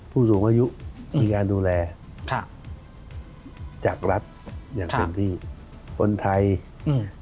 ผู้สูงอายุมีการดูแลค่ะจากรัฐอย่างเต็มที่คนไทยอืม